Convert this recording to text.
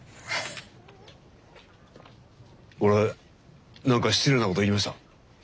俺何か失礼なこと言いました？